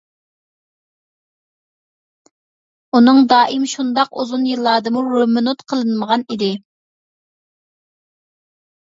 ئۇنىڭ دائىم شۇنداق ئۇزۇن يىللاردىمۇ رېمونت قىلىنمىغان ئىدى.